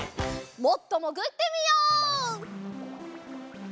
もっともぐってみよう！